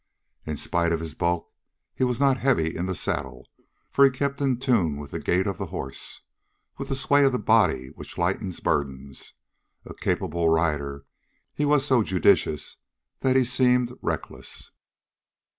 In spite of his bulk he was not heavy in the saddle, for he kept in tune with the gait of the horse, with that sway of the body which lightens burdens. A capable rider, he was so judicious that he seemed reckless.